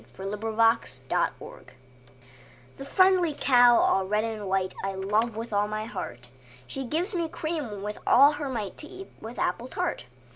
XXIII The Cow The friendly cow all red and white, I love with all my heart: She gives me cream with all her might, To eat with apple tart.